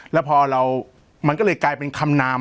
แล้วพอเรามันก็เลยกลายเป็นคำนาม